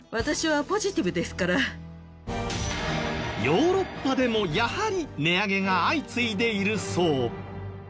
ヨーロッパでもやはり値上げが相次いでいるそう。